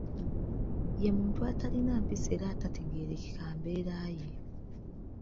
Ye muntu atalina mpisa era atategeerekeka mbeera ye.